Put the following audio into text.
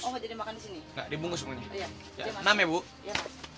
jadi semuanya enam dibungkus aja jadi semuanya enam dibungkus